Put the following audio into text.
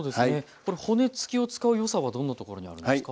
これ骨付きを使うよさはどんなところにあるんですか？